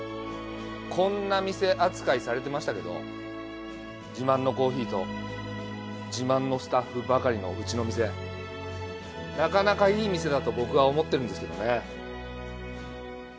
「こんな店」扱いされてましたけど自慢のコーヒーと自慢のスタッフばかりのうちの店なかなかいい店だと僕は思ってるんですけどね。